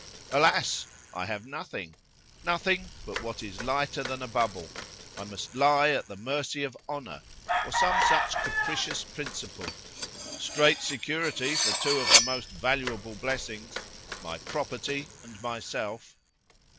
——Alas! I have nothing,——nothing but what is lighter than a bubble——I must lie at the mercy of HONOUR, or some such capricious principle—Strait security for two of the most valuable blessings!—my property and myself.